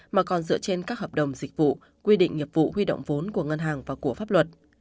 mà còn dựa trên các hợp đồng dịch vụ quy định nghiệp vụ huy động vốn của ngân hàng và của pháp luật